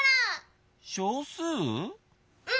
うん！